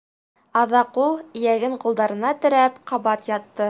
Аҙаҡ ул, эйәген ҡулдарына терәп, ҡабат ятты.